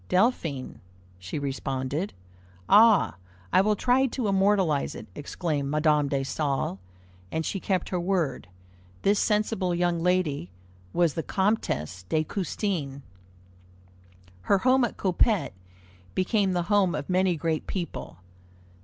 'Delphine,' she responded. 'Ah, I will try to immortalize it,' exclaimed Madame de Staël; and she kept her word. This sensible young lady was the Comtesse de Custine." Her home at Coppet became the home of many great people.